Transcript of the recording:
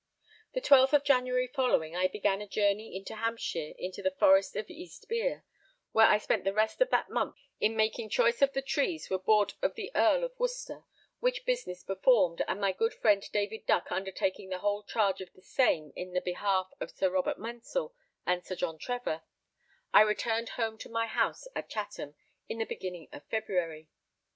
The 12th of January following I began a journey into Hampshire, into the forest of East Bere, where I spent the rest of that month in making choice of the trees were bought of the Earl of Worcester; which business performed, and my good friend David Duck undertaking the whole charge of the same in the behalf of Sir Robert Mansell and Sir John Trevor, I returned home to my house at Chatham in the beginning of February.